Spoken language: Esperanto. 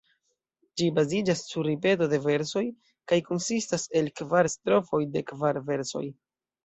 Ĝi baziĝas sur ripeto de versoj, kaj konsistas el kvar strofoj de kvar versoj.